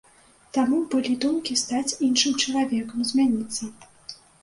Таму былі думкі стаць іншым чалавекам, змяніцца.